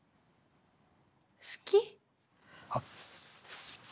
好き？あっ。